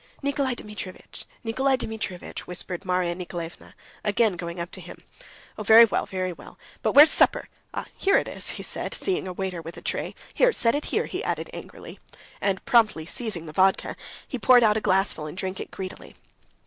"Nikolay Dmitrievitch, Nikolay Dmitrievitch," whispered Marya Nikolaevna, again going up to him. "Oh, very well, very well!... But where's the supper? Ah, here it is," he said, seeing a waiter with a tray. "Here, set it here," he added angrily, and promptly seizing the vodka, he poured out a glassful and drank it greedily.